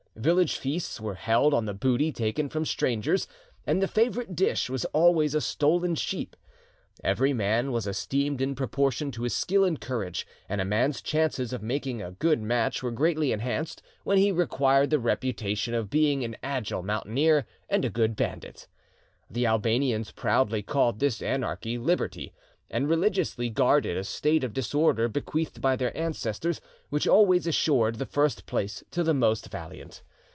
Village feasts were held on the booty taken from strangers; and the favourite dish was always a stolen sheep. Every man was esteemed in proportion to his skill and courage, and a man's chances of making a good match were greatly enhanced when he acquired the reputation of being an agile mountaineer and a good bandit. The Albanians proudly called this anarchy liberty, and religiously guarded a state of disorder bequeathed by their ancestors, which always assured the first place to the most valiant.